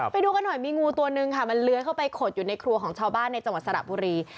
ไปดูกันหน่อยมีงูตัวนึงค่ะมันเลื้อยเข้าไปขดอยู่ในครัวของชาวบ้านในจังหวัดสระบุรี